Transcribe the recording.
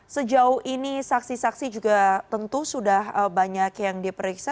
sejauh ini saksi saksi juga tentu sudah banyak yang diperiksa